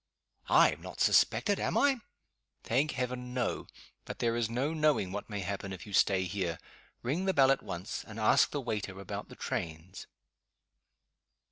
"I am not suspected, am I?" "Thank heaven no. But there is no knowing what may happen if you stay here. Ring the bell at once, and ask the waiter about the trains."